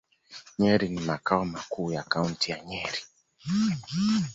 Nyeri ni makao makuu ya Kaunti ya Nyeri.